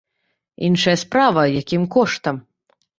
Іншая справа, якім коштам.